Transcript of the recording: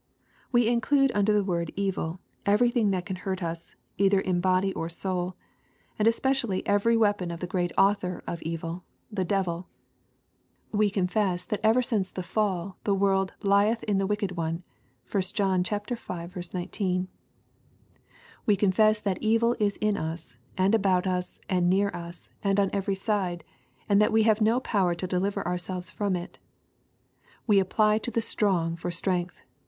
We include under the word evil, everything that can hurt U8,either in body or soul, and especially every 6 EXPOSITORY THOUGHTS. weapon of that great author of evil, the devil. We con fess that ever since the fall the world " lieth in the wick ed one.'' (1 John v. 19.) We confess that evil is in us, and about us, and near us, and on every side, and that we have no power to deliver ourselves from it. We ap ply to the strong for strength.